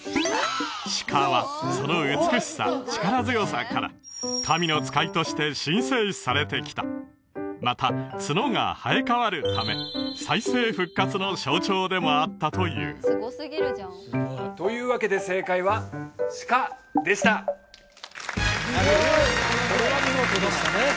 鹿はその美しさ力強さから神の使いとして神聖視されてきたまた角が生え変わるため再生復活の象徴でもあったというというわけで正解は「鹿」でしたこれは見事でしたね